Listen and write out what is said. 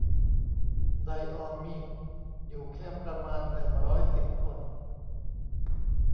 ไดออมีด อยู่แค่ประมาณ หนึ่งร้อยสิบ คน